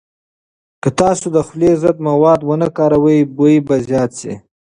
که تاسو د خولې ضد مواد ونه کاروئ، بوی به زیات شي.